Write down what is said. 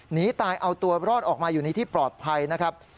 หนีตายเอาตัวรอดออกมาอยู่ในที่ปลอดภัยนะครับ